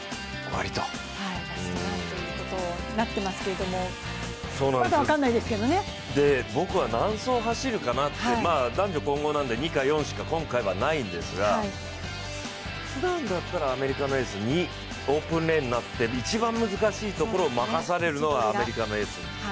ラストランということになっていますけれども僕は何走走るかなって、男女混合なんで、２か４しか今回はないんですが普段だったらアメリカのレースオープンレーンになっている一番難しいところを任されるのがアメリカのエース。